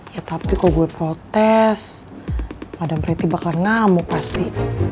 ya tapi kalau gue protes madam pretty bakal ngamuk pasti